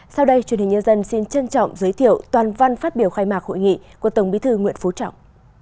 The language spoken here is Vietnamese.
sau đây truyền hình nhân dân xin trân trọng giới thiệu toàn văn phát biểu khai mạc hội nghị của tổng bí thư nguyễn phú trọng